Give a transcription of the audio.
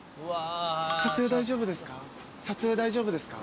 撮影大丈夫ですか？